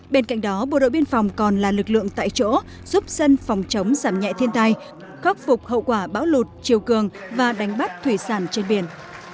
bên cạnh đó bộ đội biên phòng còn là lực lượng tại chỗ giúp dân phòng chống giảm nhẹ thiên tai khắc phục hậu quả bão lụt chiều cường và đánh bắt thủy sản trên biển